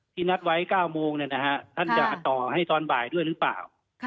นัดไว้๙โมงท่านจะต่อให้ตอนบ่ายด้วยหรือเปล่า